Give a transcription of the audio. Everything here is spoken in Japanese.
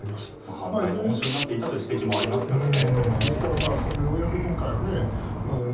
犯罪の温床になっていたという指摘もありますからね。